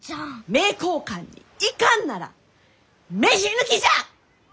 名教館に行かんなら飯抜きじゃ！